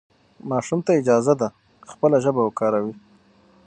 ماشوم ته اجازه ده خپله ژبه وکاروي.